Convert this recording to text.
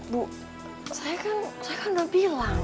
bu saya kan udah bilang